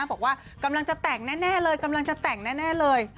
บอกว่ากำลังจะแต่งแน่เลยกำลังจะแต่งแน่เลย